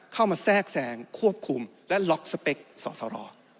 เข้ามาแทรกแสงควบคุมและล็อกสเปกสอสร